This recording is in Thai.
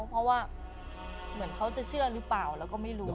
เพราะว่าเหมือนเขาจะเชื่อหรือเปล่าเราก็ไม่รู้